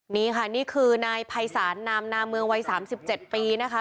นี่ค่ะนี่คือนายภัยศาลนามนาเมืองวัย๓๗ปีนะคะ